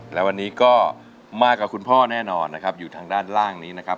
และวันนี้ก็มากับคุณพ่อแน่นอนนะครับอยู่ทางด้านล่างนี้นะครับ